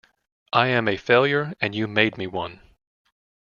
I am a failure, and you made me one.